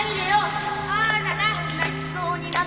あらら泣きそうになってる